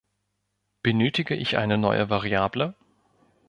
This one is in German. Benötige ich eine neue Variable?